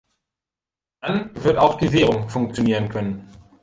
Dann wird auch die Währung funktionieren können!